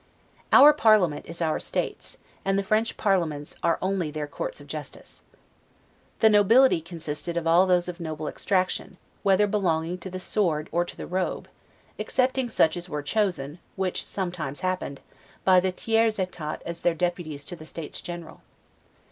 Our parliament is our states, and the French parliaments are only their courts of justice. The Nobility consisted of all those of noble extraction, whether belonging to the SWORD or to the ROBE, excepting such as were chosen (which sometimes happened) by the Tiers Etat as their deputies to the States General.